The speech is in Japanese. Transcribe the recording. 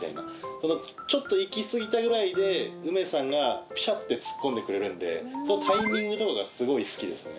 そのちょっと行き過ぎたぐらいでウメさんがピシャってツッコんでくれるんでそのタイミングとかがすごい好きですね。